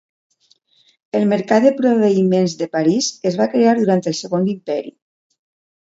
El mercat de proveïments de París es va crear durant el Segon Imperi.